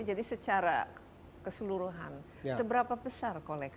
jadi secara keseluruhan seberapa besar koleksi